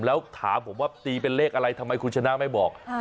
แล้วถามผมว่าตีเป็นเลขอะไรทำไมคุณชนะไม่บอก